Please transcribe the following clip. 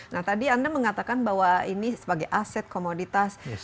nah tadi anda mengatakan bahwa ini sebagai aset komoditas